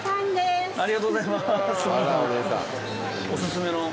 ありがとうございます。